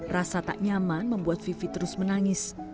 rasa tak nyaman membuat vivi terus menangis